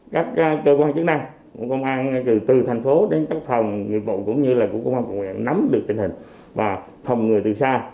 các cơ quan chức năng công an từ thành phố đến các phòng người bộ cũng như là công an nắm được tình hình và phòng ngừa từ xa